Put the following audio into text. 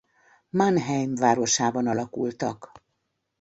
Mannheim városában alakultak.